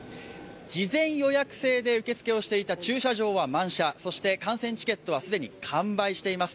事前予約制で受け付けをしていた駐車場は満車そして観戦チケットは既に完売しています